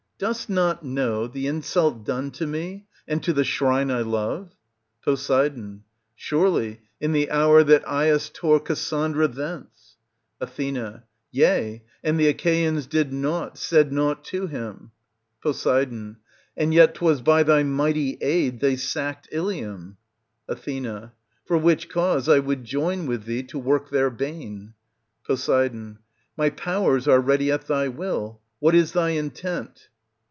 Dost not know the insult done to me and to the shrine I love ? Pos. Surely, in the hour that Aias tore Cassandra thence. Ath. Yea, and the Achaeans did naught, said naught to him. Pos. And yet 'twas by thy mighty aid they sacked Ilium. Ath. For which cause I would join with thee to work their bane. Pos. My powers are ready at thy Will. What is thy intent?